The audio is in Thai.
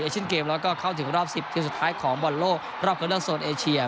เอเชียนเกมแล้วก็เข้าถึงรอบสิบทีสุดท้ายของบอลโลรอบกระดับส่วนเอเชีย